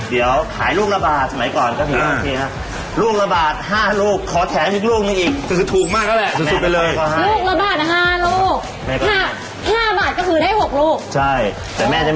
เดี๋ยวขายลูกละบาทสมัยก่อนก็เทียงนะ